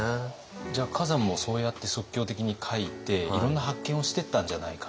じゃあ崋山もそうやって即興的に描いていろんな発見をしてったんじゃないか。